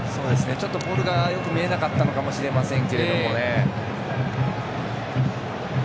ちょっとボールがよく見えなかったのかもしれません。